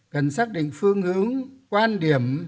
cần xác định phương hướng quan điểm